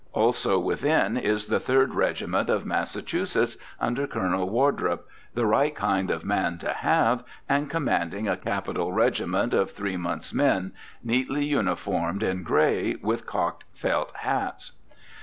Also within is the Third Regiment of Massachusetts, under Colonel Wardrop, the right kind of man to have, and commanding a capital regiment of three months men, neatly uniformed in gray, with cocked felt hats.